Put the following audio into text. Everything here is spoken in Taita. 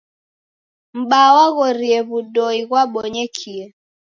M'baa waghorie w'udoi ghwabonyekie.